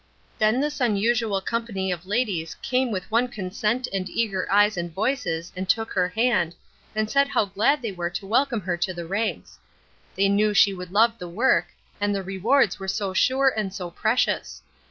Then this unusual company of ladies came with one consent and eager eyes and voices and took her hand, and said how glad they were to welcome her to the ranks. They knew she would love the work, and the rewards were so sure and so precious.